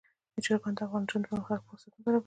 چرګان د افغان نجونو د پرمختګ لپاره فرصتونه برابروي.